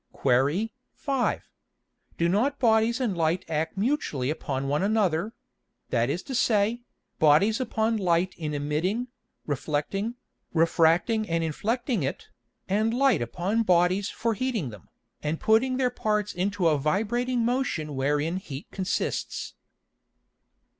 Qu. 5. Do not Bodies and Light act mutually upon one another; that is to say, Bodies upon Light in emitting, reflecting, refracting and inflecting it, and Light upon Bodies for heating them, and putting their parts into a vibrating motion wherein heat consists?